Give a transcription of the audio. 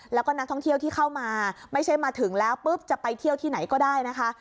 แล้วก็นักท่องเที่ยวที่เข้ามาไม่ใช่มาถึงแล้วปุ๊บจะไปเที่ยวที่ไหนก็ได้นะคะ